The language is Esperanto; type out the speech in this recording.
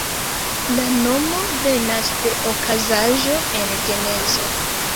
La nomo venas de okazaĵo en Genezo.